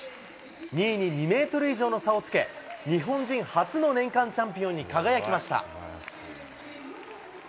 ２位に２メートル以上の差をつけ、日本人初の年間チャンピオンに輝きました。